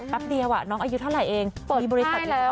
เดียวน้องอายุเท่าไหร่เองเปิดบริษัทแล้ว